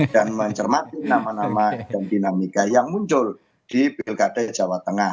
dan mencermati nama nama dan dinamika yang muncul di pilkada jawa tengah